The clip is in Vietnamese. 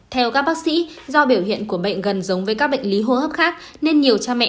theo các bác sĩ do biểu hiện của bệnh gần giống với các bệnh lý hô hấp khác nên nhiều cha mẹ